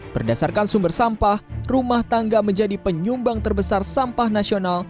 berdasarkan sumber sampah rumah tangga menjadi penyumbang terbesar sampah nasional